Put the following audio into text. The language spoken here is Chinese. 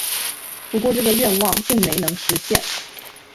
不过这个愿望并没能实现。